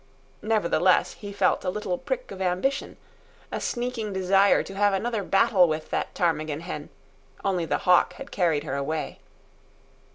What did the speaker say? Nevertheless he felt a little prick of ambition, a sneaking desire to have another battle with that ptarmigan hen—only the hawk had carried her away.